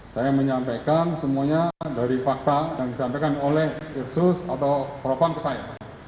saya menyampaikan semuanya dari fakta yang disampaikan oleh irsus atau propam ke saya